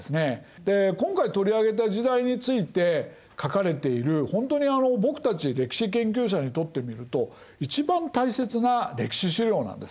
で今回取り上げた時代について書かれているほんとに僕たち歴史研究者にとってみると一番大切な歴史資料なんです。